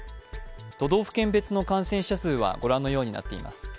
都道府県別の感染者数は御覧のようになっています。